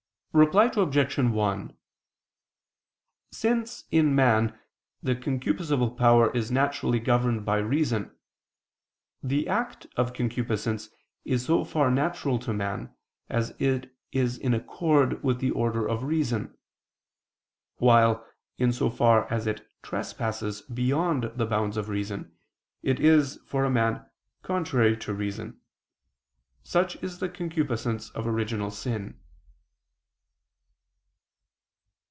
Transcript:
Reply Obj. 1: Since, in man, the concupiscible power is naturally governed by reason, the act of concupiscence is so far natural to man, as it is in accord with the order of reason; while, in so far as it trespasses beyond the bounds of reason, it is, for a man, contrary to reason. Such is the concupiscence of original sin.